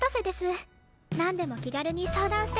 なんでも気軽に相談してくださいね。